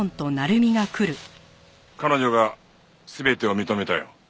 彼女が全てを認めたよ。